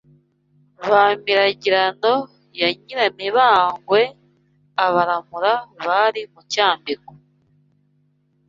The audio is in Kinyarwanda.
Ba Miragirano ya Nyiramiragwe, Abaramura bari mu cyambiko